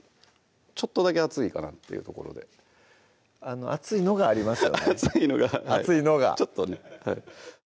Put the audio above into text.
ちょっとだけ厚いかなっていうところであの厚いのがありますよね厚いのが厚いのがちょっとねはい